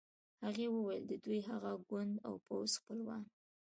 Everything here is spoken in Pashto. هغې وویل د دوی هغه کونډ او پوخ خپلوان.